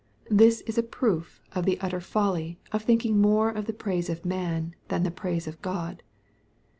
This is a proof of the utter folly of thinking more of the praise of man than the praise of God.